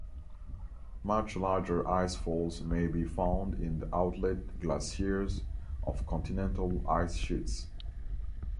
Much larger icefalls may be found in the outlet glaciers of continental ice sheets.